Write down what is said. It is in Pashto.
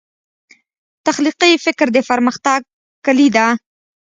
تخلیقي فکر د پرمختګ کلي دی.